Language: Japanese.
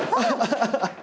ハハハハ！